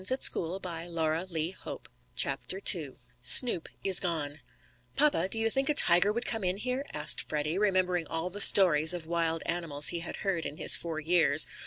Let's watch them catch the animals." CHAPTER II SNOOP IS GONE "PAPA, do you think a tiger would come in here?" asked Freddie, remembering all the stories of wild animals he had heard in his four years.